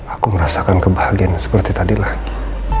aku merasakan kebahagiaan seperti tadi lagi